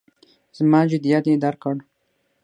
زما جدیت یې درک کړ.